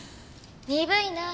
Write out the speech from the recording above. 鈍いなぁ。